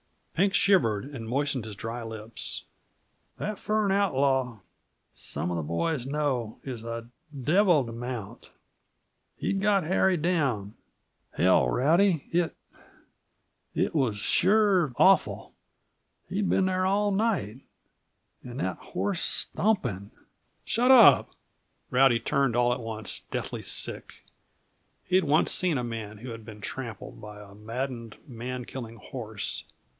Pink shivered and moistened his dry lips. "That Fern Outlaw some uh the boys know is a devil t' mount. He'd got Harry down hell, Rowdy! it it was sure awful. He'd been there all night and that horse stomping." "Shut up!" Rowdy turned all at once deathly sick. He had once seen a man who had been trampled by a maddened, man killing horse.